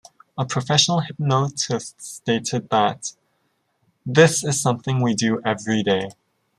A professional hypnotist stated that "This is something we do every day".